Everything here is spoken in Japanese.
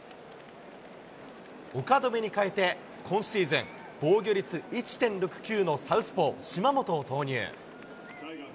岡留にかえて、今シーズン、防御率１．６９のサウスポー、島本を投入。